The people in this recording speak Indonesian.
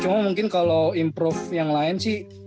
cuman mungkin kalo improve yang lain sih